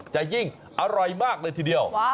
จะยิ่งอร่อยมากเลยทีเดียว